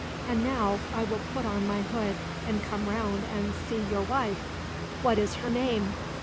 "And now I will put on my hood, and come round and see your wife. What is her name?"